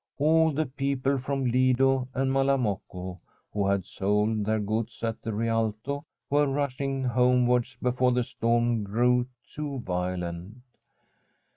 All the people from Lido and Malamocco who had sold their goods at the Rialto were rushing homewards, before the storm grew too violent.